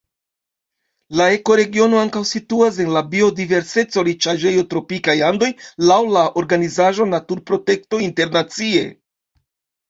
La ekoregiono ankaŭ situas en la biodiverseco-riĉaĵejo Tropikaj Andoj laŭ la organizaĵo Naturprotekto Internacie.